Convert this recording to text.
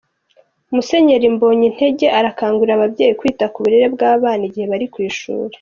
Musenyeri Mbonyintege arakangurira ababyeyi kwita ku burere bw’abana igihe bari ku ishuri